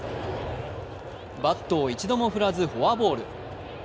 バットを一度も振らずフォアボール。